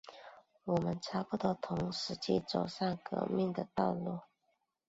我们差不多同时期走上了革命的道路。